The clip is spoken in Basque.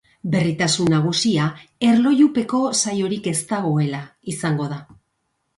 Berritasun nagusia erlojupeko saiorik ez dagoela izango da.